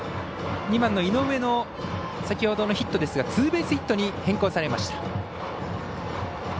２番の井上の先ほどのヒットですがツーベースヒットに変更されました。